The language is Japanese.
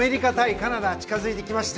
カナダ近づいてきました。